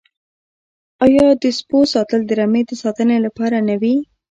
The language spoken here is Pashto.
آیا د سپیو ساتل د رمې د ساتنې لپاره نه وي؟